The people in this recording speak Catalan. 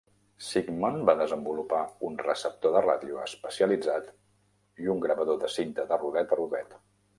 Sigmon va desenvolupar un receptor de ràdio especialitzat i un gravador de cinta de rodet a rodet.